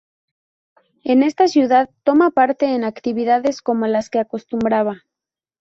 En esta ciudad toma parte en actividades como las que acostumbraba.